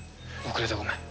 遅れてごめん。